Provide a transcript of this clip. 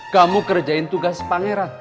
kamu kerjain tugas pangeran